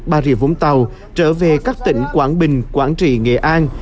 ba rìa vũng tàu trở về các tỉnh quảng bình quảng trị nghệ an